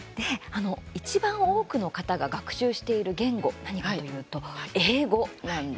いちばん多くの方が学習してる言語、何かというと英語なんです。